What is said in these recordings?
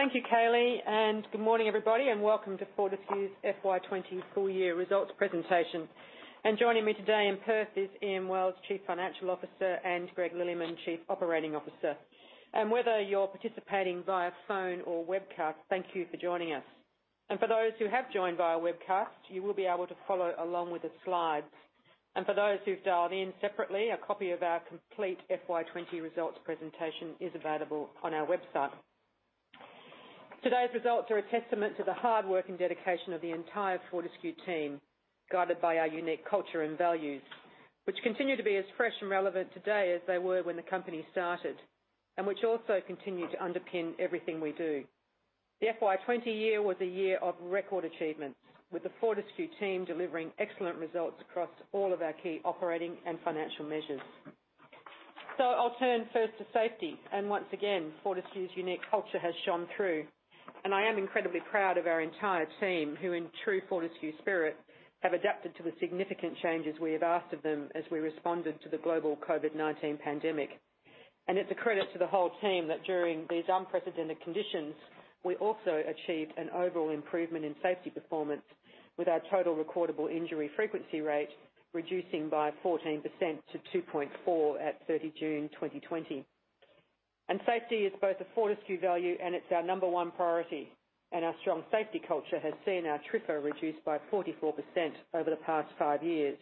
Thank you, Kayleigh, and good morning, everybody, and welcome to Fortescue's FY2020 Full Year Results presentation. Joining me today in person is Ian Wells, Chief Financial Officer, and Greg Lilleyman, Chief Operating Officer. Whether you're participating via phone or webcast, thank you for joining us. For those who have joined via webcast, you will be able to follow along with the slides. For those who've dialed in separately, a copy of our complete FY2020 Results presentation is available on our website. Today's results are a testament to the hard work and dedication of the entire Fortescue team, guided by our unique culture and values, which continue to be as fresh and relevant today as they were when the company started, and which also continue to underpin everything we do. The FY2020 year was a year of record achievements, with the Fortescue team delivering excellent results across all of our key operating and financial measures. I'll turn first to safety, and once again, Fortescue's unique culture has shone through. I am incredibly proud of our entire team, who, in true Fortescue spirit, have adapted to the significant changes we have asked of them as we responded to the global COVID-19 pandemic. It's a credit to the whole team that during these unprecedented conditions, we also achieved an overall improvement in safety performance, with our total recordable injury frequency rate reducing by 14% to 2.4 at 30 June 2020. Safety is both a Fortescue value, and it's our number one priority. Our strong safety culture has seen our TRIFR reduced by 44% over the past five years.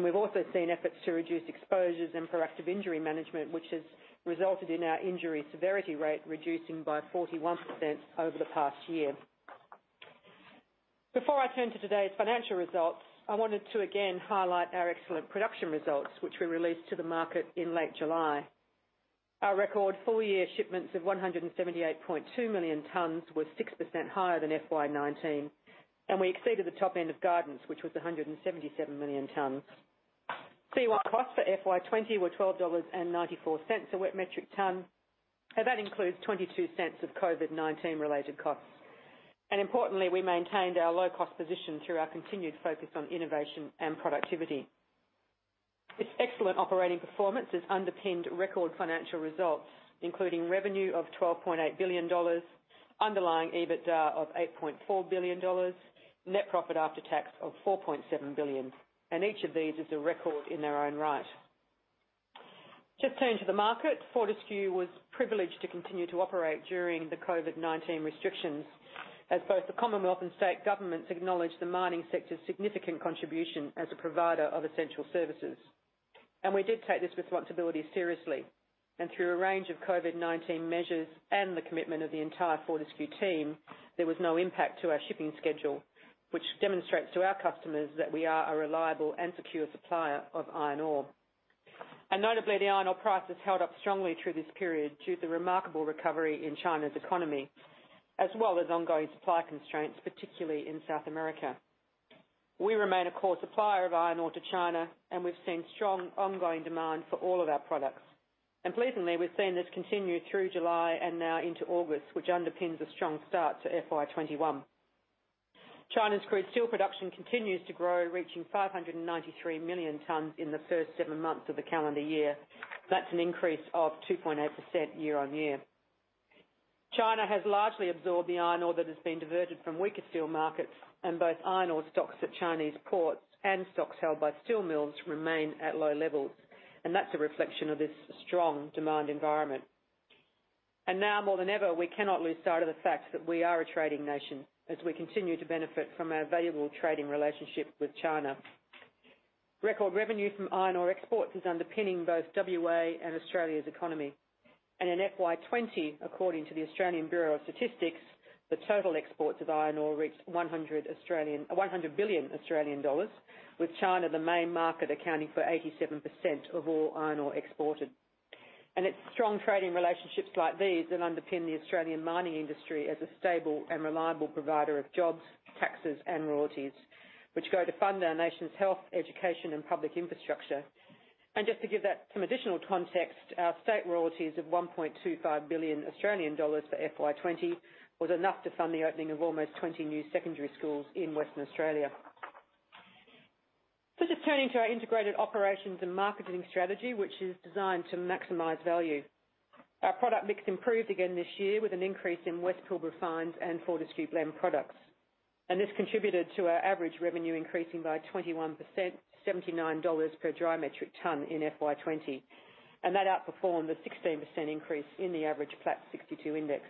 We've also seen efforts to reduce exposures and proactive injury management, which has resulted in our injury severity rate reducing by 41% over the past year. Before I turn to today's financial results, I wanted to again highlight our excellent production results, which we released to the market in late July. Our record full-year shipments of 178.2 million tons were 6% higher than FY2019, and we exceeded the top end of guidance, which was 177 million tons. C1 costs for FY2020 were $12.94 a wet metric tonne, and that includes $0.22 of COVID-19-related costs. Importantly, we maintained our low-cost position through our continued focus on innovation and productivity. This excellent operating performance has underpinned record financial results, including revenue of $12.8 billion, underlying EBITDA of $8.4 billion, net profit after tax of $4.7 billion. Each of these is a record in their own right. Just turn to the market. Fortescue was privileged to continue to operate during the COVID-19 restrictions, as both the Commonwealth and state governments acknowledged the mining sector's significant contribution as a provider of essential services. We did take this responsibility seriously, and through a range of COVID-19 measures and the commitment of the entire Fortescue team, there was no impact to our shipping schedule, which demonstrates to our customers that we are a reliable and secure supplier of iron ore. Notably, the iron ore prices held up strongly through this period due to the remarkable recovery in China's economy, as well as ongoing supply constraints, particularly in South America. We remain a core supplier of iron ore to China, and we've seen strong ongoing demand for all of our products. Pleasingly, we've seen this continue through July and now into August, which underpins a strong start to FY2021. China's crude steel production continues to grow, reaching 593 million tons in the first seven months of the calendar year. That's an increase of 2.8% year on year. China has largely absorbed the iron ore that has been diverted from weaker steel markets, and both iron ore stocks at Chinese ports and stocks held by steel mills remain at low levels. That's a reflection of this strong demand environment. Now, more than ever, we cannot lose sight of the fact that we are a trading nation, as we continue to benefit from our valuable trading relationship with China. Record revenue from iron ore exports is underpinning both WA and Australia's economy. In FY2020, according to the Australian Bureau of Statistics, the total exports of iron ore reached 100 billion Australian dollars, with China the main market, accounting for 87% of all iron ore exported. Strong trading relationships like these underpin the Australian mining industry as a stable and reliable provider of jobs, taxes, and royalties, which go to fund our nation's health, education, and public infrastructure. Just to give that some additional context, our state royalties of 1.25 billion Australian dollars for FY2020 was enough to fund the opening of almost 20 new secondary schools in Western Australia. Just turning to our integrated operations and marketing strategy, which is designed to maximize value. Our product mix improved again this year with an increase in West Pilbara Fines and Fortescue Blend products. This contributed to our average revenue increasing by 21%, $79 per dry metric ton in FY2020. That outperformed the 16% increase in the average Platts 62% Index.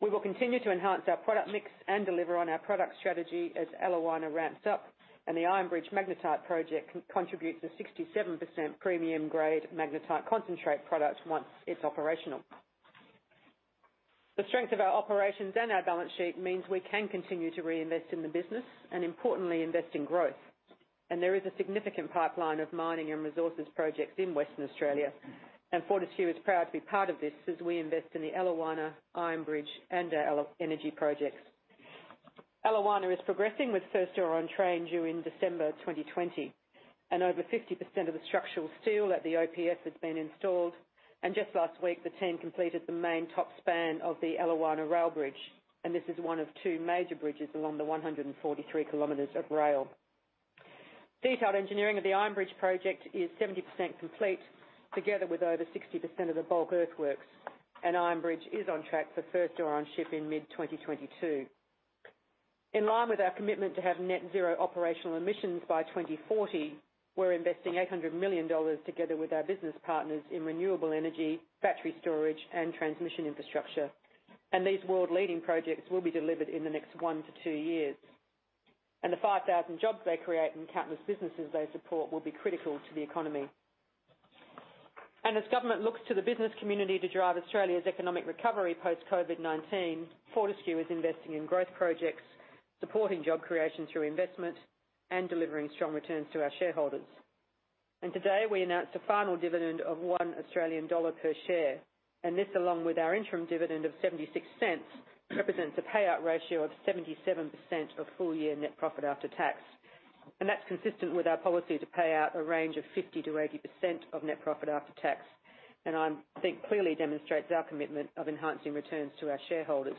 We will continue to enhance our product mix and deliver on our product strategy as Eliwana ramps up, and the Ironbridge magnetite project contributes a 67% premium-grade magnetite concentrate product once it's operational. The strength of our operations and our balance sheet means we can continue to reinvest in the business and, importantly, invest in growth. There is a significant pipeline of mining and resources projects in Western Australia, and Fortescue is proud to be part of this as we invest in the Eliwana, Iron Bridge, and our energy projects. Eliwana is progressing with first ore on train due in December 2020, and over 50% of the structural steel at the OPF has been installed. Just last week, the team completed the main top span of the Eliwana rail bridge, and this is one of two major bridges along the 143 km of rail. Detailed engineering of the Ironbridge project is 70% complete, together with over 60% of the bulk earthworks, and Iron Bridge is on track for first ore-on-ship in mid-2022. In line with our commitment to have net-zero operational emissions by 2040, we're investing $800 million together with our business partners in renewable energy, battery storage, and transmission infrastructure. These world-leading projects will be delivered in the next one to two years. The 5,000 jobs they create and countless businesses they support will be critical to the economy. As government looks to the business community to drive Australia's economic recovery post-COVID-19, Fortescue is investing in growth projects, supporting job creation through investment, and delivering strong returns to our shareholders. Today, we announced a final dividend of 1 Australian dollar per share, and this, along with our interim dividend of 0.76, represents a payout ratio of 77% of full-year net profit after tax. That's consistent with our policy to pay out a range of 50%-80% of net profit after tax, and I think clearly demonstrates our commitment of enhancing returns to our shareholders.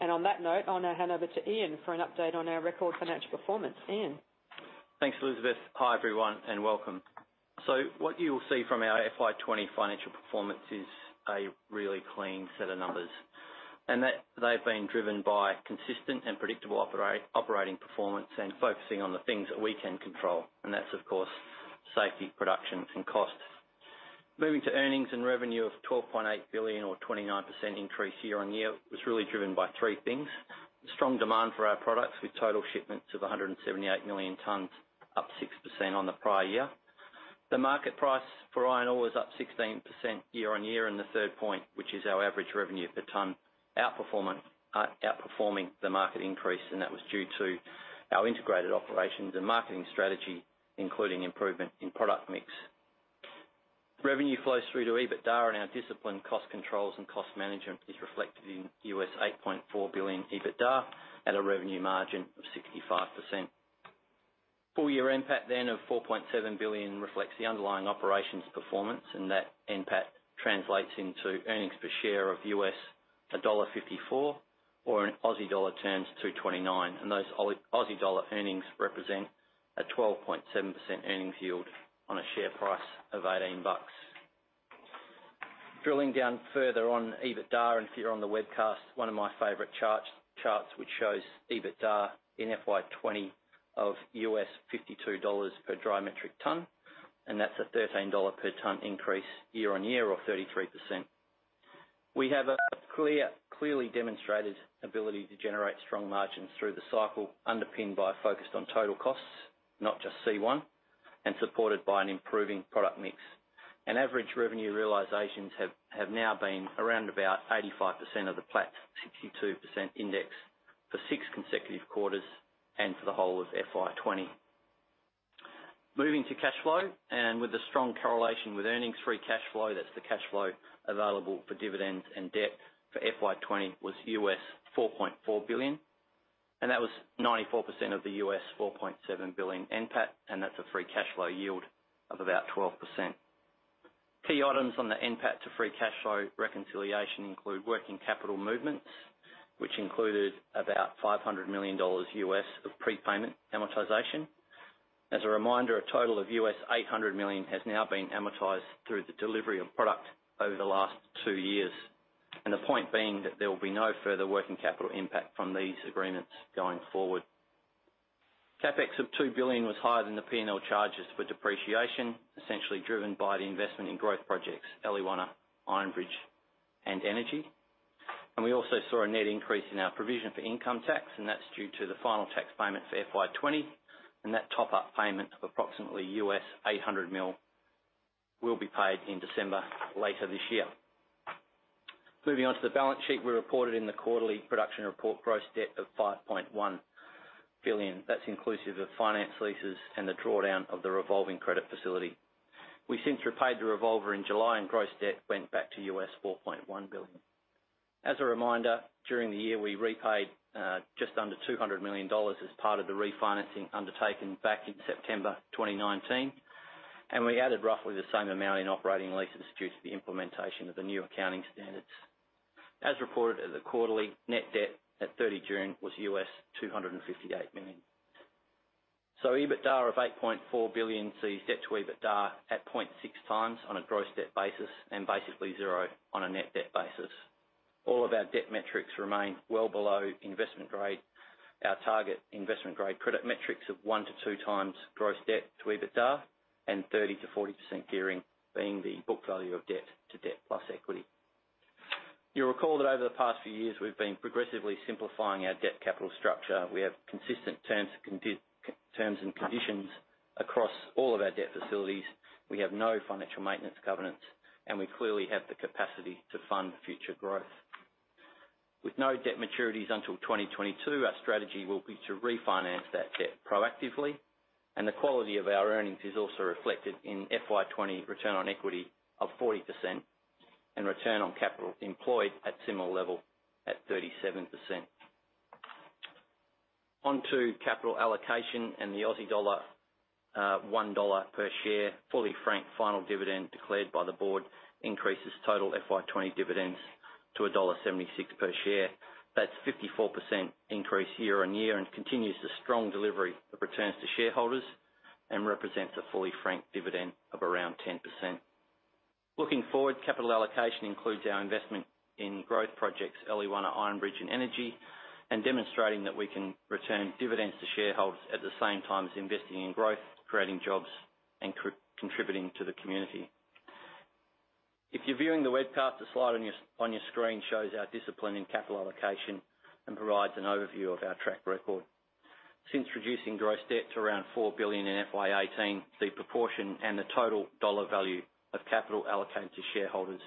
On that note, I'll now hand over to Ian for an update on our record financial performance. Ian. Thanks, Elizabeth. Hi, everyone, and welcome. What you will see from our FY2020 financial performance is a really clean set of numbers. They've been driven by consistent and predictable operating performance and focusing on the things that we can control, and that's, of course, safety, production, and cost. Moving to earnings and revenue of $12.8 billion, or a 29% increase year on year, was really driven by three things: strong demand for our products with total shipments of 178 million tons, up 6% on the prior year. The market price for iron ore was up 16% year on year in the third point, which is our average revenue per ton, outperforming the market increase, and that was due to our integrated operations and marketing strategy, including improvement in product mix. Revenue flows through to EBITDA, and our disciplined cost controls and cost management is reflected in $8.4 billion EBITDA at a revenue margin of 65%. Full-year NPAT then of $4.7 billion reflects the underlying operations performance, and that NPAT translates into earnings per share of $1.54, or in Aussie dollar terms, 2.29. Those Aussie dollar earnings represent a 12.7% earnings yield on a share price of 18 bucks. Drilling down further on EBITDA, and if you're on the webcast, one of my favorite charts, which shows EBITDA in FY2020 of $52 per dry metric ton, and that's a $13 per ton increase year on year, or 33%. We have a clearly demonstrated ability to generate strong margins through the cycle, underpinned by a focus on total costs, not just C1, and supported by an improving product mix. Average revenue realizations have now been around about 85% of the Platts 62% Index for six consecutive quarters and for the whole of FY2020. Moving to cash flow, and with a strong correlation with earnings, free cash flow, that's the cash flow available for dividends and debt for FY2020, was $4.4 billion. That was 94% of the $4.7 billion NPAT, and that's a free cash flow yield of about 12%. Key items on the NPAT to free cash flow reconciliation include working capital movements, which included about $500 million of prepayment amortization. As a reminder, a total of $800 million has now been amortized through the delivery of product over the last two years, and the point being that there will be no further working capital impact from these agreements going forward. CapEx of $2 billion was higher than the P&L charges for depreciation, essentially driven by the investment in growth projects, Eliwana, Ironbridge, and Energy. We also saw a net increase in our provision for income tax, and that's due to the final tax payment for FY2020, and that top-up payment of approximately $800 million will be paid in December later this year. Moving on to the balance sheet, we reported in the quarterly production report gross debt of $5.1 billion. That's inclusive of finance leases and the drawdown of the revolving credit facility. We since repaid the revolver in July, and gross debt went back to $4.1 billion. As a reminder, during the year, we repaid just under $200 million as part of the refinancing undertaken back in September 2019, and we added roughly the same amount in operating leases due to the implementation of the new accounting standards. As reported at the quarterly, net debt at 30 June was $258 million. EBITDA of $8.4 billion sees debt to EBITDA at 0.6x on a gross debt basis and basically zero on a net debt basis. All of our debt metrics remain well below investment grade. Our target investment grade credit metrics of 1x-2x gross debt to EBITDA and 30%-40% gearing being the book value of debt to debt plus equity. You'll recall that over the past few years, we've been progressively simplifying our debt capital structure. We have consistent terms and conditions across all of our debt facilities. We have no financial maintenance governance, and we clearly have the capacity to fund future growth. With no debt maturities until 2022, our strategy will be to refinance that debt proactively, and the quality of our earnings is also reflected in FY2020 return on equity of 40% and return on capital employed at similar level at 37%. Onto capital allocation and the Aussie dollar 1 per share, fully franked final dividend declared by the board increases total FY2020 dividends to dollar 1.76 per share. That's a 54% increase year on year and continues the strong delivery of returns to shareholders and represents a fully franked dividend of around 10%. Looking forward, capital allocation includes our investment in growth projects, Eliwana, Iron Bridge Energy, and demonstrating that we can return dividends to shareholders at the same time as investing in growth, creating jobs, and contributing to the community. If you're viewing the webcast, the slide on your screen shows our discipline in capital allocation and provides an overview of our track record. Since reducing gross debt to around $4 billion in FY2018, the proportion and the total dollar value of capital allocated to shareholders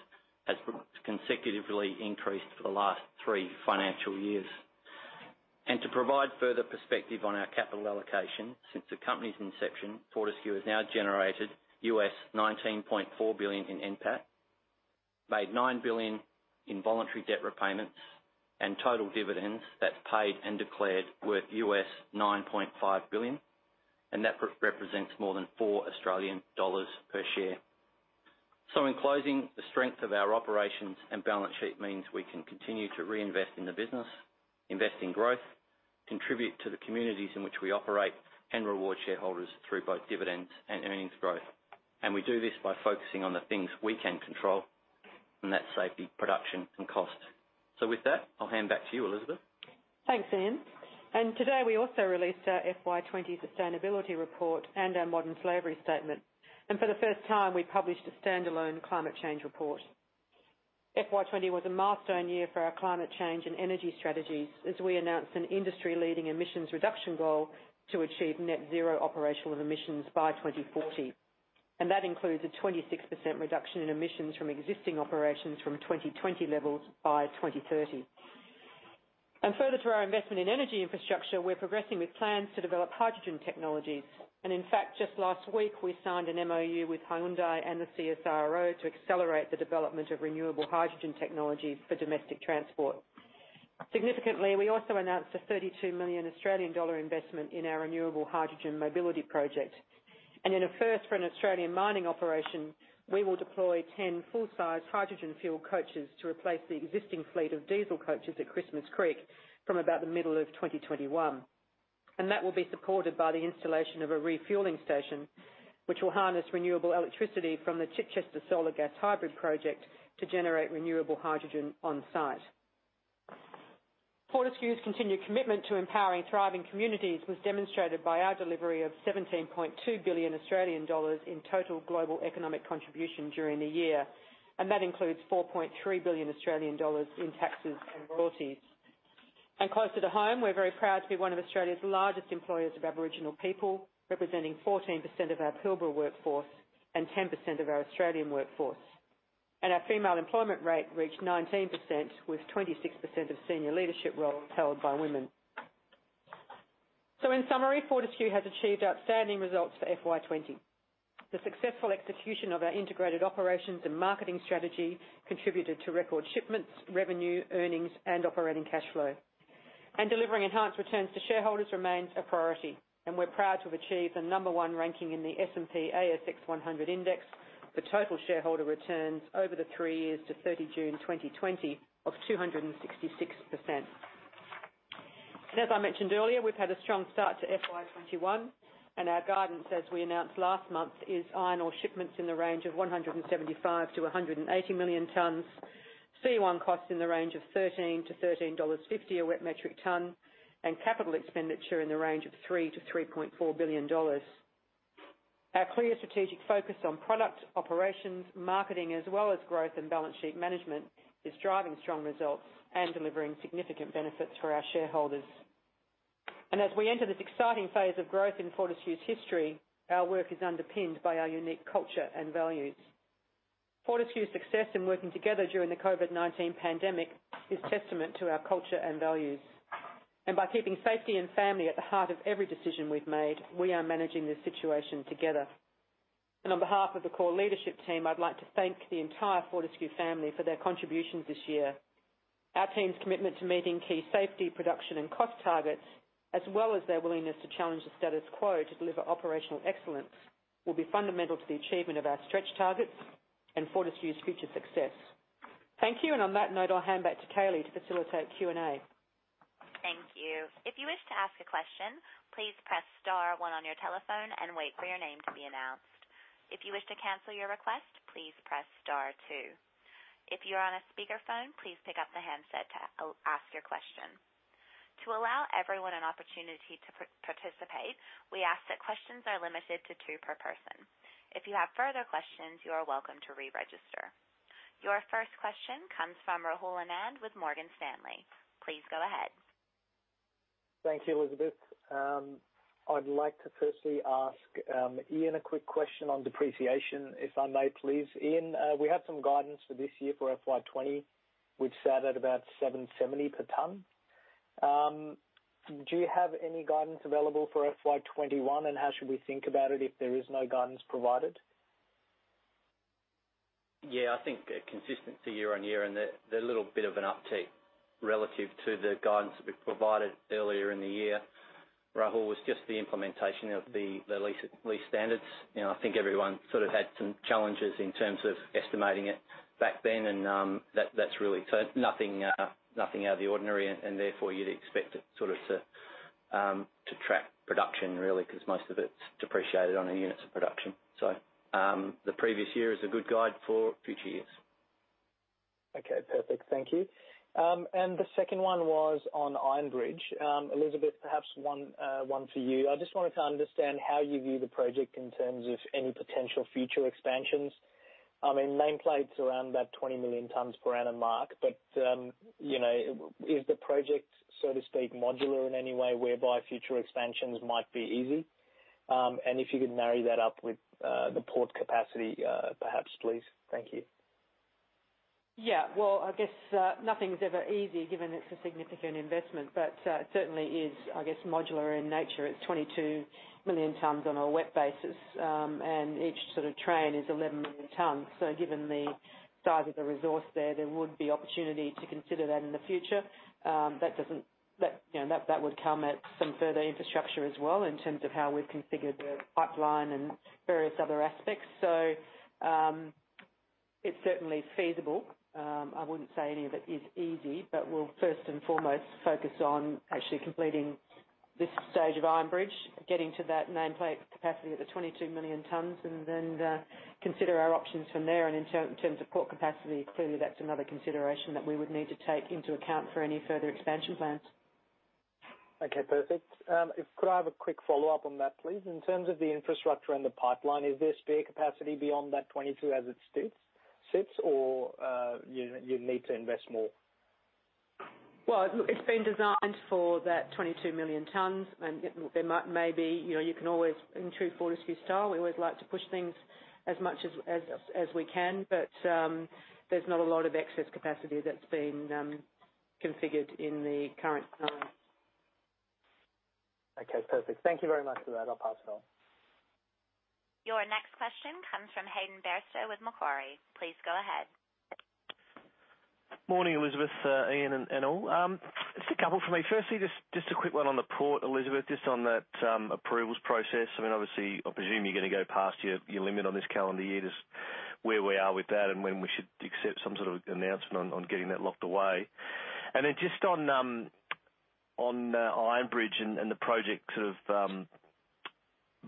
has consecutively increased for the last three financial years. To provide further perspective on our capital allocation, since the company's inception, Fortescue has now generated $19.4 billion in NPAT, made $9 billion in voluntary debt repayments, and total dividends that's paid and declared worth $9.5 billion, and that represents more than 4 Australian dollars per share. In closing, the strength of our operations and balance sheet means we can continue to reinvest in the business, invest in growth, contribute to the communities in which we operate, and reward shareholders through both dividends and earnings growth. We do this by focusing on the things we can control, and that's safety, production, and cost. With that, I'll hand back to you, Elizabeth. Thanks, Ian. Today, we also released our FY2020 sustainability report and our modern slavery statement. For the first time, we published a standalone climate change report. FY2020 was a milestone year for our climate change and energy strategies as we announced an industry-leading emissions reduction goal to achieve net-zero operational emissions by 2040. That includes a 26% reduction in emissions from existing operations from 2020 levels by 2030. Further to our investment in energy infrastructure, we're progressing with plans to develop hydrogen technologies. In fact, just last week, we signed an MoU with Hyundai and the CSIRO to accelerate the development of renewable hydrogen technologies for domestic transport. Significantly, we also announced an 32 million Australian dollar investment in our renewable hydrogen mobility project. In a first for an Australian mining operation, we will deploy 10 full-size hydrogen fuel coaches to replace the existing fleet of diesel coaches at Christmas Creek from about the middle of 2021. That will be supported by the installation of a refueling station, which will harness renewable electricity from the Chichester solar gas hybrid project to generate renewable hydrogen on site. Fortescue's continued commitment to empowering thriving communities was demonstrated by our delivery of 17.2 billion Australian dollars in total global economic contribution during the year. That includes 4.3 billion Australian dollars in taxes and royalties. Closer to home, we're very proud to be one of Australia's largest employers of Aboriginal people, representing 14% of our Pilbara workforce and 10% of our Australian workforce. Our female employment rate reached 19%, with 26% of senior leadership roles held by women. In summary, Fortescue has achieved outstanding results for FY2020. The successful execution of our integrated operations and marketing strategy contributed to record shipments, revenue, earnings, and operating cash flow. Delivering enhanced returns to shareholders remains a priority, and we're proud to have achieved the number one ranking in the S&P ASX 100 index for total shareholder returns over the three years to 30 June 2020 of 266%. As I mentioned earlier, we've had a strong start to FY2021, and our guidance, as we announced last month, is iron ore shipments in the range of 175 million tons-180 million tons, C1 costs in the range of $13-$13.50 a wet metric tonne, and capital expenditure in the range of $3 billion-$3.4 billion. Our clear strategic focus on product, operations, marketing, as well as growth and balance sheet management is driving strong results and delivering significant benefits for our shareholders. As we enter this exciting phase of growth in Fortescue's history, our work is underpinned by our unique culture and values. Fortescue's success in working together during the COVID-19 pandemic is a testament to our culture and values. By keeping safety and family at the heart of every decision we've made, we are managing this situation together. On behalf of the core leadership team, I'd like to thank the entire Fortescue family for their contributions this year. Our team's commitment to meeting key safety, production, and cost targets, as well as their willingness to challenge the status quo to deliver operational excellence, will be fundamental to the achievement of our stretch targets and Fortescue's future success. Thank you, and on that note, I'll hand back to Kayleigh to facilitate Q and A. Thank you. If you wish to ask a question, please press star one on your telephone and wait for your name to be announced. If you wish to cancel your request, please press star two. If you are on a speakerphone, please pick up the handset to ask your question. To allow everyone an opportunity to participate, we ask that questions are limited to two per person. If you have further questions, you are welcome to re-register. Your first question comes from Rahul Anand with Morgan Stanley. Please go ahead. Thank you, Elizabeth. I'd like to firstly ask Ian a quick question on depreciation, if I may please. Ian, we have some guidance for this year for FY2020, which sat at about $770 per ton. Do you have any guidance available for FY2021, and how should we think about it if there is no guidance provided? Yeah, I think consistency year on year and the little bit of an uptick relative to the guidance that we provided earlier in the year. Rahul was just the implementation of the lease standards. I think everyone sort of had some challenges in terms of estimating it back then, and that's really nothing out of the ordinary, and therefore you'd expect it sort of to track production really because most of it's depreciated on a unit of production. The previous year is a good guide for future years. Okay, perfect. Thank you. The second one was on Iron Bridge. Elizabeth, perhaps one for you. I just wanted to understand how you view the project in terms of any potential future expansions. I mean, nameplate's around that 20 million tons per annum mark, but is the project, so to speak, modular in any way whereby future expansions might be easy? If you could marry that up with the port capacity, perhaps please. Thank you. Yeah, I guess nothing's ever easy given it's a significant investment, but it certainly is, I guess, modular in nature. It's 22 million tons on a wet basis, and each sort of train is 11 million tons. Given the size of the resource there, there would be opportunity to consider that in the future. That would come at some further infrastructure as well in terms of how we've configured the pipeline and various other aspects. It's certainly feasible. I wouldn't say any of it is easy, but we'll first and foremost focus on actually completing this stage of Ironbridge, getting to that nameplate capacity at the 22 million tons, and then consider our options from there. In terms of port capacity, clearly that's another consideration that we would need to take into account for any further expansion plans. Okay, perfect. Could I have a quick follow-up on that, please? In terms of the infrastructure and the pipeline, is there spare capacity beyond that 22 million tons as it sits or you need to invest more? It has been designed for that 22 million tons, and there may be, you can always, in true Fortescue style, we always like to push things as much as we can, but there is not a lot of excess capacity that has been configured in the current time. Okay, perfect. Thank you very much for that. I'll pass it on. Your next question comes from Hayden Bairstow with Macquarie. Please go ahead. Morning, Elizabeth, Ian, and all. Just a couple for me. Firstly, just a quick one on the port, Elizabeth, just on that approvals process. I mean, obviously, I presume you're going to go past your limit on this calendar year to where we are with that and when we should accept some sort of announcement on getting that locked away. Then just on Iron Bridge and the project sort of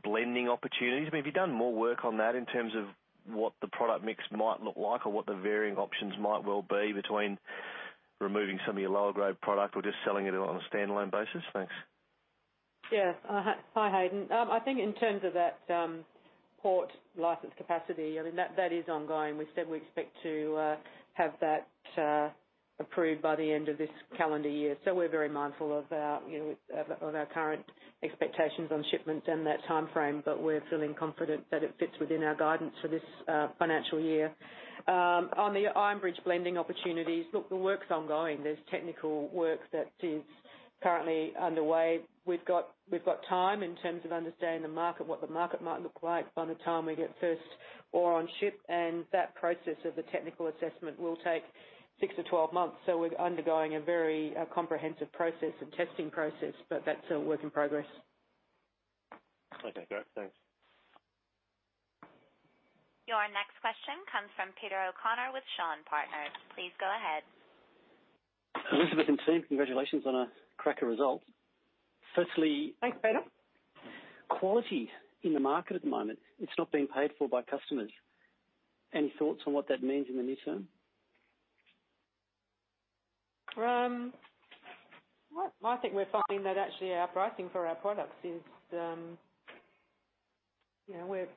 blending opportunities, have you done more work on that in terms of what the product mix might look like or what the varying options might well be between removing some of your lower-grade product or just selling it on a standalone basis? Thanks. Yeah, hi Hayden. I think in terms of that port license capacity, that is ongoing. We said we expect to have that approved by the end of this calendar year. We're very mindful of our current expectations on shipments and that time frame, but we're feeling confident that it fits within our guidance for this financial year. On the Iron Bridge blending opportunities, look, the work's ongoing. There's technical work that is currently underway. We've got time in terms of understanding the market, what the market might look like by the time we get first ore on ship, and that process of the technical assessment will take six months-12 months. We're undergoing a very comprehensive process and testing process, but that's a work in progress. Okay, great. Thanks. Your next question comes from Peter O'Connor with Shaw and Partners. Please go ahead. Elizabeth and team, congratulations on a cracker result. Firstly. Thanks, Peter. Quality in the market at the moment, it's not being paid for by customers. Any thoughts on what that means in the near term? I think we're finding that actually our pricing for our products is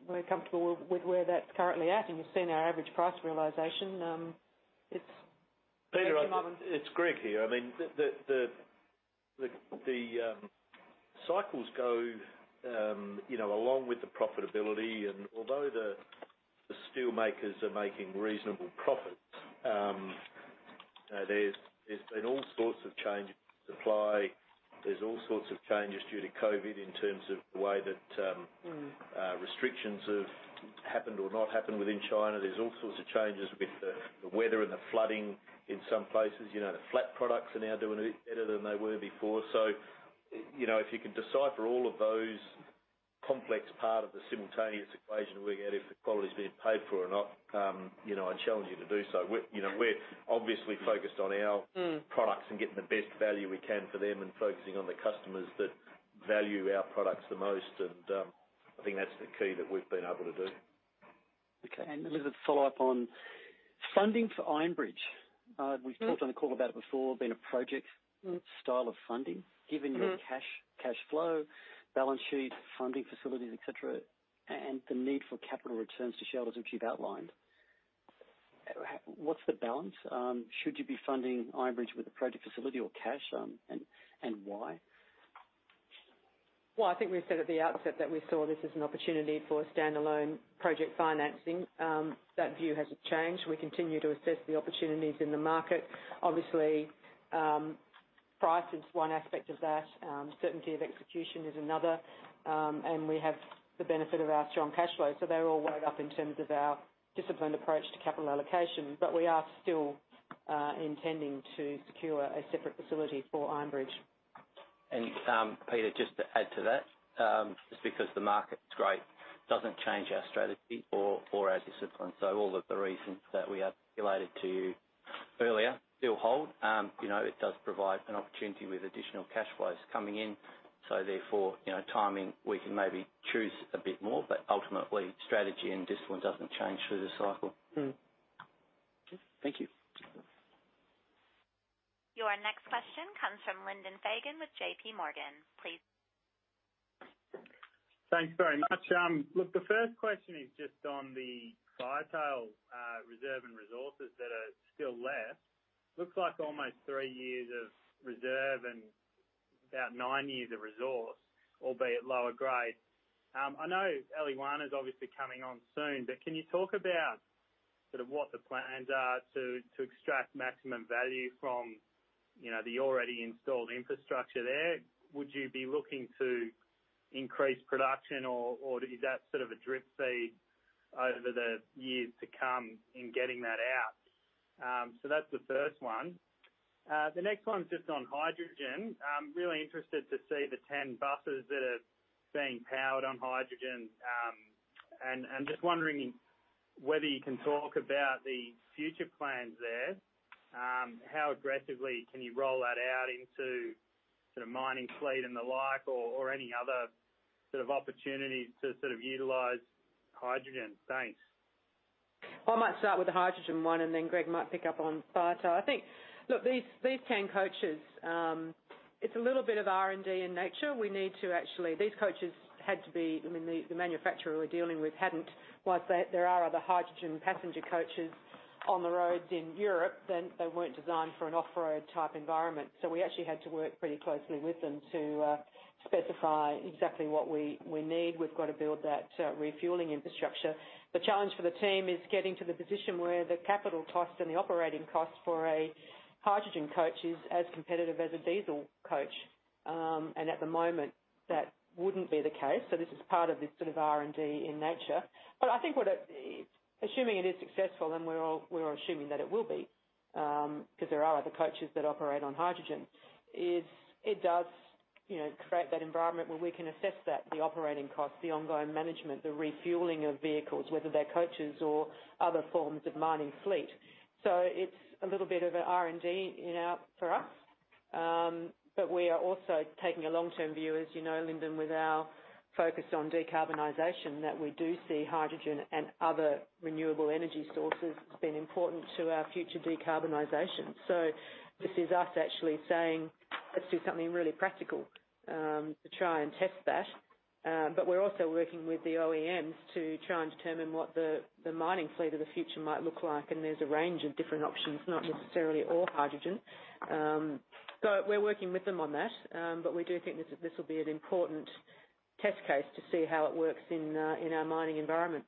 we're comfortable with where that's currently at, and we've seen our average price realization. It's Greg here. I mean, the cycles go along with the profitability, and although the steelmakers are making reasonable profits, there's been all sorts of changes in supply. There's all sorts of changes due to COVID in terms of the way that restrictions have happened or not happened within China. There's all sorts of changes with the weather and the flooding in some places. The flat products are now doing a bit better than they were before. If you can decipher all of those complex part of the simultaneous equation we're getting, if the quality's being paid for or not, I challenge you to do so. We're obviously focused on our products and getting the best value we can for them and focusing on the customers that value our products the most. I think that's the key that we've been able to do. Okay, and Elizabeth, follow-up on funding for Iron Bridge. We've talked on the call about it before, being a project style of funding, given your cash flow, balance sheet, funding facilities, etc., and the need for capital returns to shareholders, which you've outlined. What's the balance? Should you be funding Iron Bridge with a project facility or cash, and why? I think we've said at the outset that we saw this as an opportunity for standalone project financing. That view hasn't changed. We continue to assess the opportunities in the market. Obviously, price is one aspect of that. Certainty of execution is another, and we have the benefit of our strong cash flow. They're all weighed up in terms of our disciplined approach to capital allocation, but we are still intending to secure a separate facility for Ironbridge. Peter, just to add to that, just because the market's great doesn't change our strategy or our discipline. All of the reasons that we articulated to you earlier still hold. It does provide an opportunity with additional cash flows coming in. Therefore, timing, we can maybe choose a bit more, but ultimately, strategy and discipline doesn't change through the cycle. Thank you. Your next question comes from Lyndon Fagan with JP Morgan. Please. Thanks very much. Look, the first question is just on the Firetail reserve and resources that are still left. Looks like almost three years of reserve and about nine years of resource, albeit lower grade. I know Eliwana is obviously coming on soon, but can you talk about sort of what the plans are to extract maximum value from the already installed infrastructure there? Would you be looking to increase production, or is that sort of a drip feed over the years to come in getting that out? That's the first one. The next one's just on hydrogen. Really interested to see the 10 buses that are being powered on hydrogen, and just wondering whether you can talk about the future plans there. How aggressively can you roll that out into sort of mining fleet and the like, or any other sort of opportunities to sort of utilize hydrogen? Thanks. I might start with the hydrogen one, and then Greg might pick up on Firetail. I think, look, these 10 coaches, it's a little bit of R and D in nature. We need to actually, these coaches had to be, I mean, the manufacturer we're dealing with hadn't. Whilst there are other hydrogen passenger coaches on the roads in Europe, they weren't designed for an off-road type environment. We actually had to work pretty closely with them to specify exactly what we need. We've got to build that refueling infrastructure. The challenge for the team is getting to the position where the capital cost and the operating cost for a hydrogen coach is as competitive as a diesel coach. At the moment, that wouldn't be the case. This is part of this sort of R and D in nature. I think assuming it is successful, and we're assuming that it will be because there are other coaches that operate on hydrogen, it does create that environment where we can assess that, the operating cost, the ongoing management, the refueling of vehicles, whether they're coaches or other forms of mining fleet. It's a little bit of an R and D for us, but we are also taking a long-term view, as you know, Lyndon, with our focus on decarbonization, that we do see hydrogen and other renewable energy sources as being important to our future decarbonization. This is us actually saying, "Let's do something really practical to try and test that." We're also working with the OEMs to try and determine what the mining fleet of the future might look like, and there's a range of different options, not necessarily all hydrogen. We're working with them on that, but we do think this will be an important test case to see how it works in our mining environment.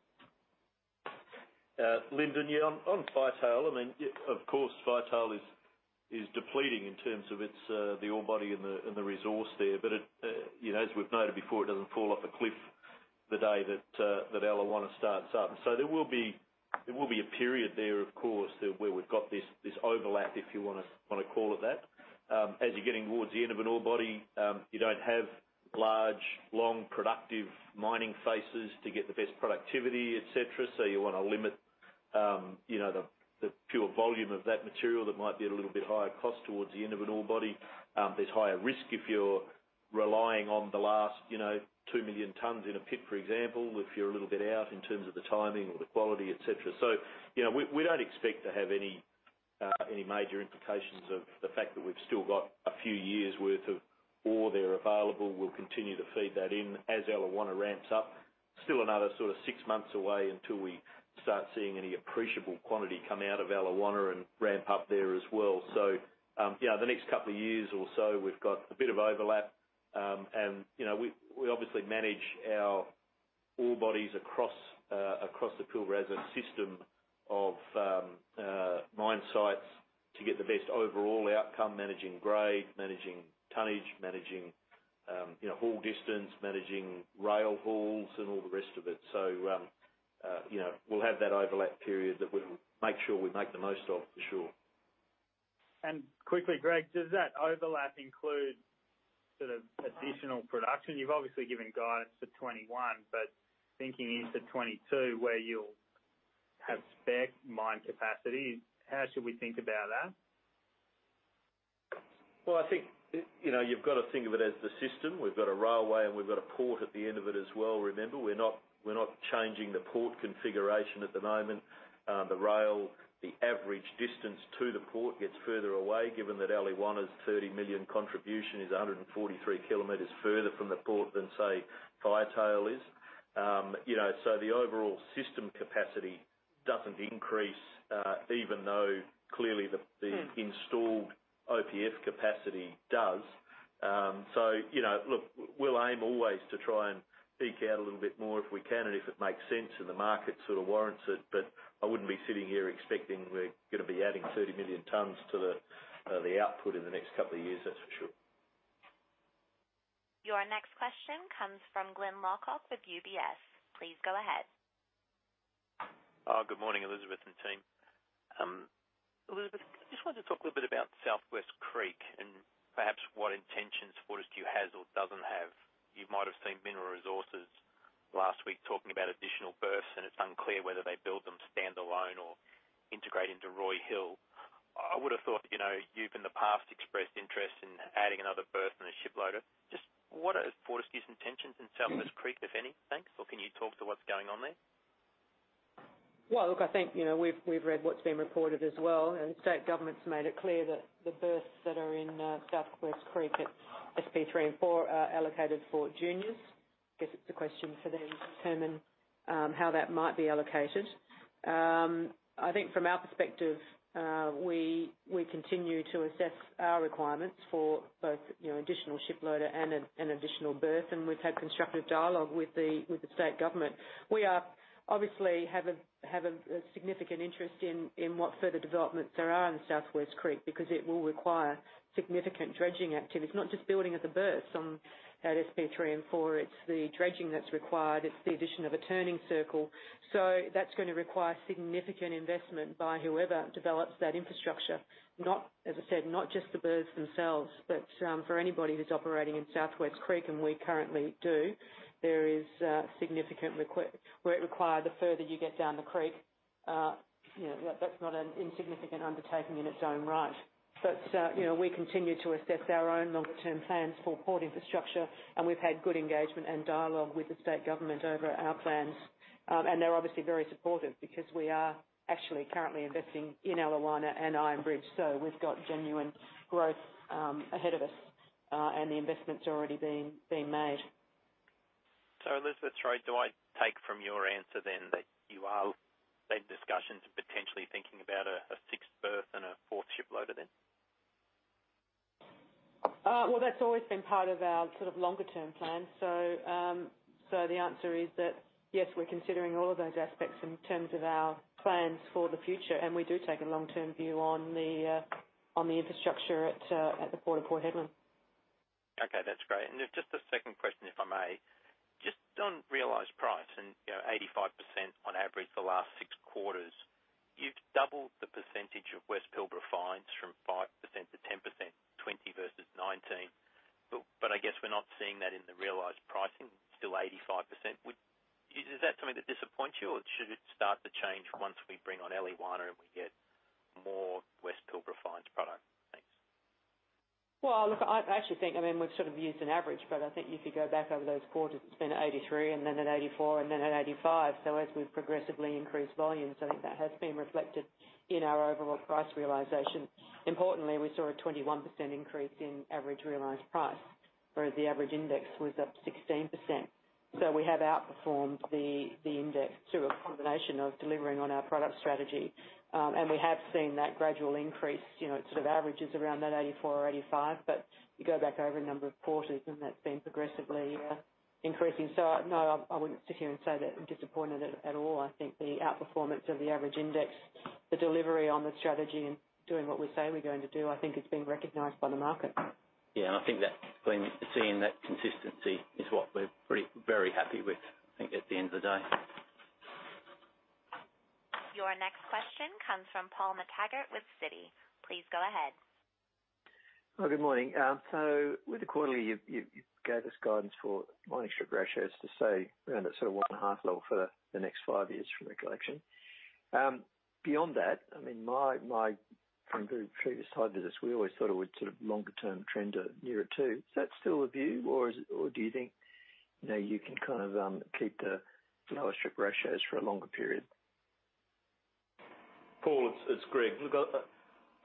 Lyndon, on Firetail, I mean, of course, Firetail is depleting in terms of the ore body and the resource there. As we have noted before, it does not fall off a cliff the day that Eliwana starts up. There will be a period there, of course, where we have this overlap, if you want to call it that. As you are getting towards the end of an ore body, you do not have large, long, productive mining faces to get the best productivity, etc., so you want to limit the pure volume of that material that might be at a little bit higher cost towards the end of an ore body. There is higher risk if you are relying on the last 2 million tons in a pit, for example, if you are a little bit out in terms of the timing or the quality, etc. We do not expect to have any major implications of the fact that we have still got a few years' worth of ore there available. We will continue to feed that in as Eliwana ramps up. Still another sort of six months away until we start seeing any appreciable quantity come out of Eliwana and ramp up there as well. The next couple of years or so, we have got a bit of overlap. We obviously manage our ore bodies across the Pilbara system of mine sites to get the best overall outcome, managing grade, managing tonnage, managing haul distance, managing rail hauls, and all the rest of it. We will have that overlap period that we will make sure we make the most of, for sure. Quickly, Greg, does that overlap include sort of additional production? You've obviously given guidance for 2021, but thinking into 2022, where you'll have spec mine capacity, how should we think about that? I think you've got to think of it as the system. We've got a railway, and we've got a port at the end of it as well. Remember, we're not changing the port configuration at the moment. The rail, the average distance to the port gets further away, given that Eliwana's 30 million tons contribution is 143 km further from the port than, say, Firetail is. The overall system capacity doesn't increase, even though clearly the installed OPF capacity does. Look, we'll aim always to try and peak out a little bit more if we can and if it makes sense and the market sort of warrants it, but I wouldn't be sitting here expecting we're going to be adding 30 million tons to the output in the next couple of years, that's for sure. Your next question comes from Glenn Mochart with UBS. Please go ahead. Good morning, Elizabeth and team. Elizabeth, I just wanted to talk a little bit about Southwest Creek and perhaps what intentions Fortescue has or does not have. You might have seen Mineral Resources last week talking about additional berths, and it is unclear whether they build them standalone or integrate into Roy Hill. I would have thought you have, in the past, expressed interest in adding another berth and a shiploader. Just what are Fortescue's intentions in Southwest Creek, if any? Thanks. Can you talk to what is going on there? I think we've read what's been reported as well, and the state government's made it clear that the berths that are in Southwest Creek at SP3 and SP4 are allocated for juniors. I guess it's a question for them to determine how that might be allocated. I think from our perspective, we continue to assess our requirements for both additional shiploader and an additional berth, and we've had constructive dialogue with the state government. We obviously have a significant interest in what further developments there are in Southwest Creek because it will require significant dredging activity, not just building at the berths at SP3 and SP4. It's the dredging that's required. It's the addition of a turning circle. That's going to require significant investment by whoever develops that infrastructure. As I said, not just the berths themselves, but for anybody who's operating in Southwest Creek, and we currently do, there is significant requirement. It's required the further you get down the creek. That's not an insignificant undertaking in its own right. We continue to assess our own longer-term plans for port infrastructure, and we've had good engagement and dialogue with the state government over our plans. They're obviously very supportive because we are actually currently investing in Eliwana and Iron Bridge, so we've got genuine growth ahead of us, and the investment's already being made. Elizabeth, sorry, do I take from your answer then that you are in discussions and potentially thinking about a sixth berth and a fourth shiploader then? That's always been part of our sort of longer-term plan. The answer is that yes, we're considering all of those aspects in terms of our plans for the future, and we do take a long-term view on the infrastructure at the Port of Port Hedland. Okay, that's great. Just a second question, if I may. Just on realized price and 85% on average the last six quarters, you've doubled the percentage of West Pilbara Fines from 5% to 10%, 20 versus 19. I guess we're not seeing that in the realized pricing, still 85%. Is that something that disappoints you, or should it start to change once we bring on Eliwana and we get more West Pilbara Fines product? Thanks. I actually think we've sort of used an average, but I think if you go back over those quarters, it's been at 83%, and then at 84%, and then at 85%. As we've progressively increased volumes, I think that has been reflected in our overall price realization. Importantly, we saw a 21% increase in average realized price, whereas the average index was up 16%. We have outperformed the index through a combination of delivering on our product strategy, and we have seen that gradual increase. It sort of averages around that 84% or 85%, but you go back over a number of quarters, and that's been progressively increasing. I wouldn't sit here and say that I'm disappointed at all. I think the outperformance of the average index, the delivery on the strategy, and doing what we say we're going to do, I think it's been recognized by the market. Yeah, and I think that seeing that consistency is what we're very happy with, I think, at the end of the day. Your next question comes from Paul McTaggart with Citi. Please go ahead. Good morning. With the quarterly, you gave us guidance for mining strip ratios to stay around at sort of one-half level for the next five years from the collection. Beyond that, from previous time visits, we always thought it would sort of longer-term trend nearer two. Is that still the view, or do you think you can kind of keep the lower strip ratios for a longer period? Paul, it's Greg. Look,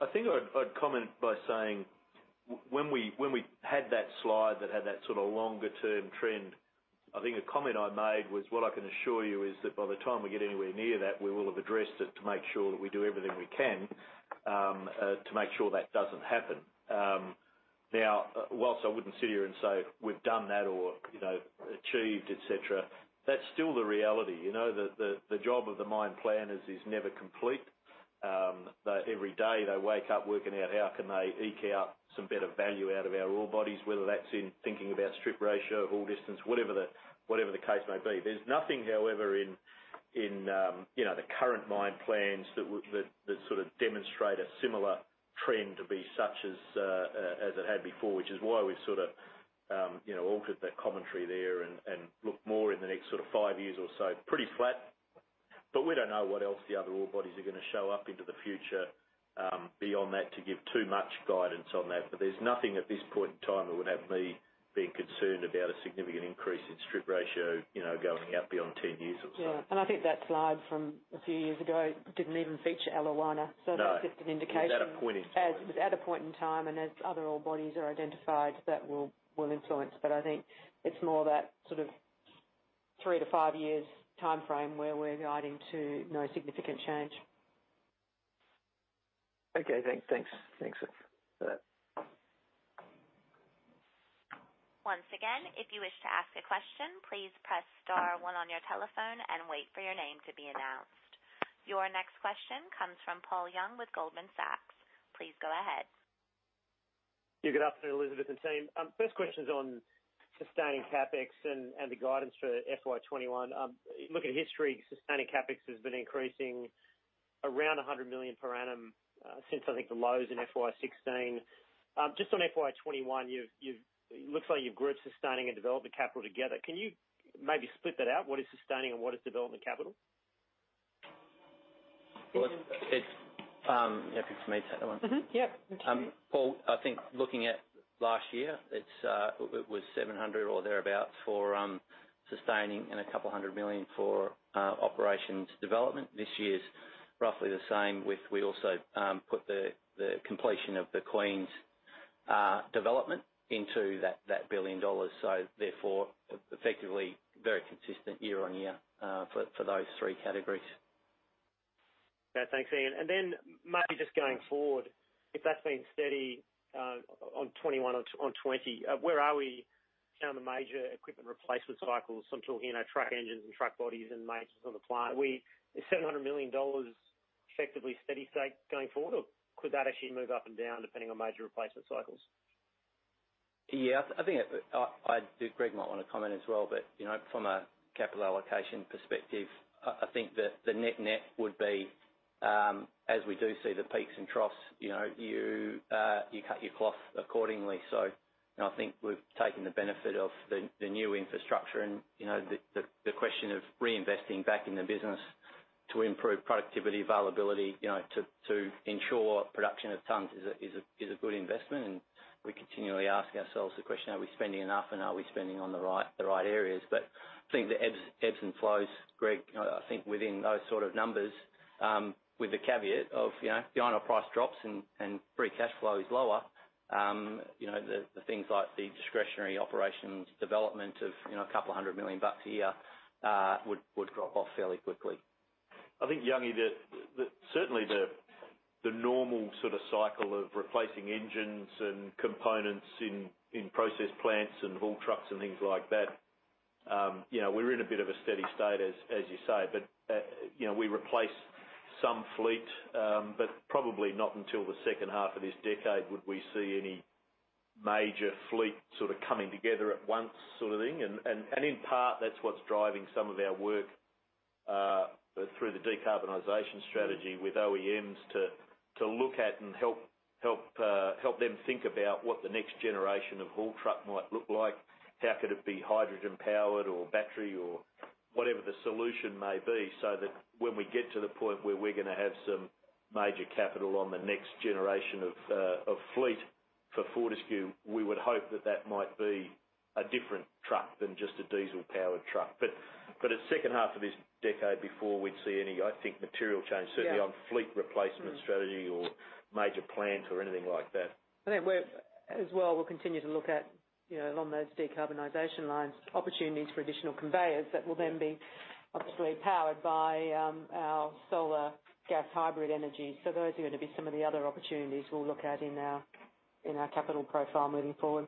I think I'd comment by saying when we had that slide that had that sort of longer-term trend, I think a comment I made was, "I can assure you that by the time we get anywhere near that, we will have addressed it to make sure that we do everything we can to make sure that doesn't happen." Whilst I wouldn't sit here and say, "We've done that or achieved," etc., that's still the reality. The job of the mine planners is never complete. Every day, they wake up working out how can they eke out some better value out of our ore bodies, whether that's in thinking about strip ratio, haul distance, whatever the case may be. There's nothing, however, in the current mine plans that sort of demonstrate a similar trend to be such as it had before, which is why we've sort of altered that commentary there and looked more in the next sort of five years or so, pretty flat. We don't know what else the other ore bodies are going to show up into the future beyond that to give too much guidance on that. There's nothing at this point in time that would have me being concerned about a significant increase in strip ratio going out beyond 10 years or so. Yeah, and I think that slide from a few years ago did not even feature Eliwana, so that was just an indication. No. It was at a point in time. It was at a point in time, and as other ore bodies are identified, that will influence. I think it's more that sort of three to five years' time frame where we're guiding to no significant change. Okay, thanks. Thanks for that. Once again, if you wish to ask a question, please press star one on your telephone and wait for your name to be announced. Your next question comes from Paul Young with Goldman Sachs. Please go ahead. Yeah, good afternoon, Elizabeth and team. First question's on sustaining CapEx and the guidance for FY2021. Looking at history, sustaining CapEx has been increasing around $100 million per annum since, I think, the lows in FY2016. Just on FY2021, it looks like you've grouped sustaining and development capital together. Can you maybe split that out? What is sustaining and what is development capital? Yeah, if you can meet that one. Yeah, that's fine. Paul, I think looking at last year, it was $700 million or thereabouts for sustaining and a couple hundred million for operations development. This year is roughly the same with we also put the completion of the Queens development into that $1 billion. Therefore, effectively very consistent year on year for those three categories. Yeah, thanks, Ian. Maybe just going forward, if that's been steady on 2021 or 2020, where are we down the major equipment replacement cycles until truck engines and truck bodies and maintenance on the plant? Is $700 million effectively steady state going forward, or could that actually move up and down depending on major replacement cycles? Yeah, I think Greg might want to comment as well, but from a capital allocation perspective, I think that the net-net would be, as we do see the peaks and troughs, you cut your cloth accordingly. I think we've taken the benefit of the new infrastructure and the question of reinvesting back in the business to improve productivity, availability to ensure production of tonnes is a good investment. We continually ask ourselves the question, are we spending enough and are we spending on the right areas? I think the ebbs and flows, Greg, I think within those sort of numbers, with the caveat of the iron ore price drops and free cash flow is lower, the things like the discretionary operations development of a couple hundred million bucks a year would drop off fairly quickly. I think, Young, that certainly the normal sort of cycle of replacing engines and components in process plants and haul trucks and things like that, we're in a bit of a steady state, as you say. We replace some fleet, but probably not until the second half of this decade would we see any major fleet sort of coming together at once sort of thing. In part, that's what's driving some of our work through the decarbonization strategy with OEMs to look at and help them think about what the next generation of haul truck might look like. How could it be hydrogen powered or battery or whatever the solution may be so that when we get to the point where we're going to have some major capital on the next generation of fleet for Fortescue, we would hope that that might be a different truck than just a diesel-powered truck. The second half of this decade before we'd see any, I think, material change certainly on fleet replacement strategy or major plants or anything like that. I think as well, we'll continue to look at, along those decarbonization lines, opportunities for additional conveyors that will then be obviously powered by our solar gas hybrid energy. Those are going to be some of the other opportunities we'll look at in our capital profile moving forward.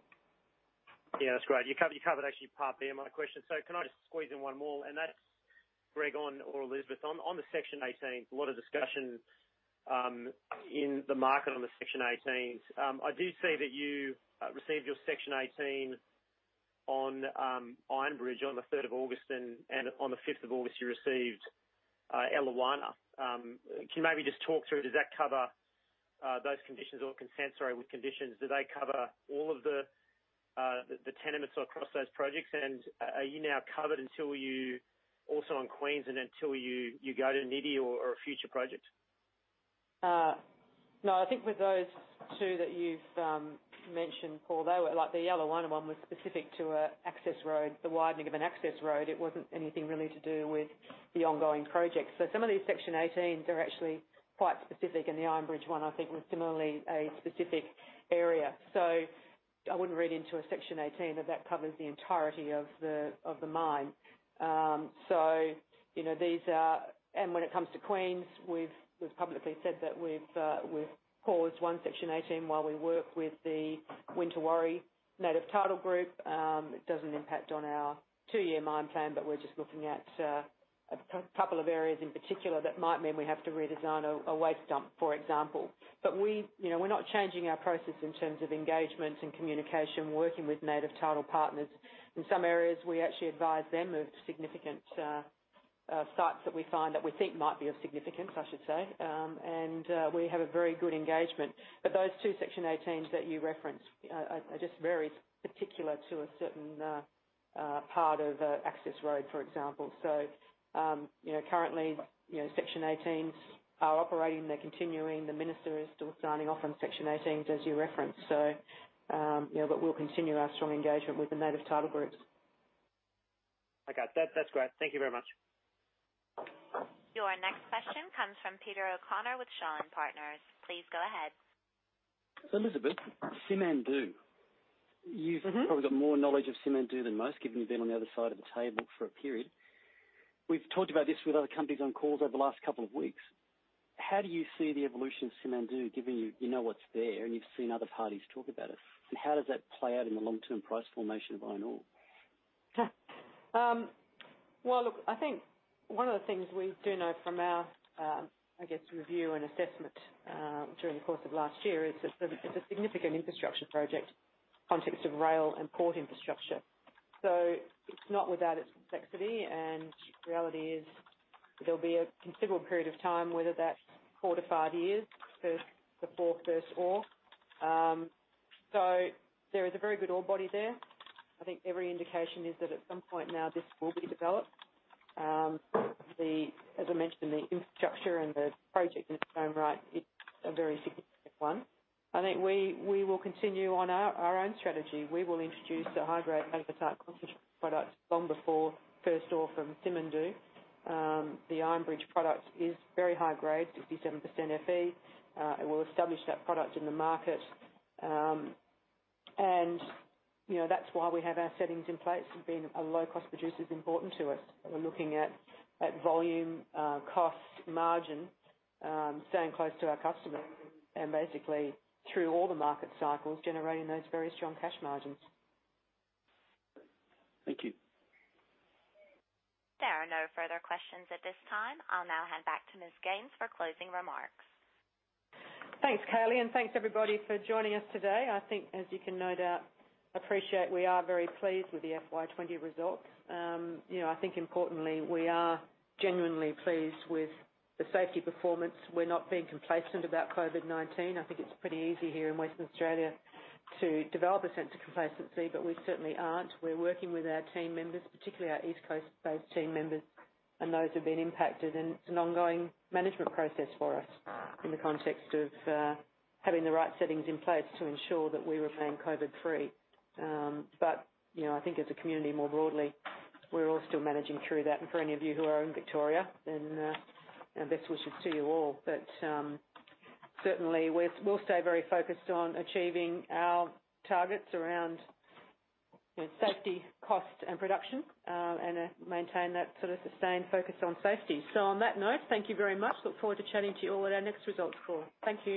Yeah, that's great. You covered actually part B of my question. Can I just squeeze in one more? That's Greg or Elizabeth. On the Section 18, a lot of discussion in the market on the Section 18. I do see that you received your Section 18 on Iron Bridge on the 3rd of August, and on the 5th of August, you received Eliwana. Can you maybe just talk through, does that cover those conditions or consent with conditions? Do they cover all of the tenements across those projects? Are you now covered until you also on Queens and until you got a needy or a future project? No, I think with those two that you've mentioned, Paul, the Eliwana one was specific to an access road, the widening of an access road. It wasn't anything really to do with the ongoing project. Some of these Section 18s are actually quite specific, and the Ironbridge one, I think, was similarly a specific area. I wouldn't read into a Section 18 that that covers the entirety of the mine. When it comes to Queens, we've publicly said that we've paused one Section 18 while we work with the Wintawari Native Title Group. It doesn't impact on our two-year mine plan, but we're just looking at a couple of areas in particular that might mean we have to redesign a waste dump, for example. We're not changing our process in terms of engagement and communication, working with native title partners. In some areas, we actually advise them of significant sites that we find that we think might be of significance, I should say. We have a very good engagement. Those two Section 18s that you referenced are just very particular to a certain part of access road, for example. Currently, Section 18s are operating. They are continuing. The minister is still signing off on Section 18s, as you referenced. We will continue our strong engagement with the native title groups. Okay, that's great. Thank you very much. Your next question comes from Peter O'Connor with Shaw and Partners. Please go ahead. Elizabeth, Simandou, you've probably got more knowledge of Simandou than most, given you've been on the other side of the table for a period. We've talked about this with other companies on calls over the last couple of weeks. How do you see the evolution of Simandou given you know what's there and you've seen other parties talk about it? How does that play out in the long-term price formation of iron ore? I think one of the things we do know from our, I guess, review and assessment during the course of last year is that it is a significant infrastructure project in the context of rail and port infrastructure. It is not without its complexity, and reality is there will be a considerable period of time, whether that is four to five years for the fourth or first ore. There is a very good ore body there. I think every indication is that at some point now this will be developed. As I mentioned, the infrastructure and the project in its own right is a very significant one. I think we will continue on our own strategy. We will introduce a high-grade metal type concentrated product long before first ore from Simandou. The Iron Bridge product is very high grade, 67% Fe. We will establish that product in the market. That is why we have our settings in place. Being a low-cost producer is important to us. We are looking at volume, cost, margin, staying close to our customer, and basically through all the market cycles, generating those very strong cash margins. Thank you. There are no further questions at this time. I'll now hand back to Ms. Gaines for closing remarks. Thanks, Kayleigh, and thanks everybody for joining us today. I think, as you can no doubt appreciate, we are very pleased with the FY2020 results. I think importantly, we are genuinely pleased with the safety performance. We're not being complacent about COVID-19. I think it's pretty easy here in Western Australia to develop a sense of complacency, but we certainly aren't. We're working with our team members, particularly our East Coast-based team members, and those who have been impacted. It's an ongoing management process for us in the context of having the right settings in place to ensure that we remain COVID-free. I think as a community more broadly, we're all still managing through that. For any of you who are in Victoria, best wishes to you all. Certainly, we'll stay very focused on achieving our targets around safety, cost, and production, and maintain that sort of sustained focus on safety. On that note, thank you very much. Look forward to chatting to you all at our next results call. Thank you.